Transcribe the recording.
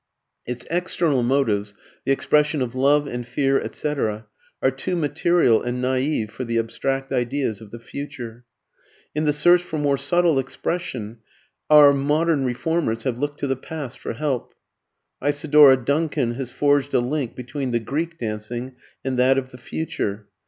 Its external motives the expression of love and fear, etc. are too material and naive for the abstract ideas of the future. In the search for more subtle expression, our modern reformers have looked to the past for help. Isadora Duncan has forged a link between the Greek dancing and that of the future.